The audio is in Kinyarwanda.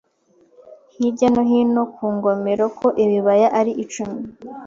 Hirya no hino ku ngomero ko ibibaya ari icumi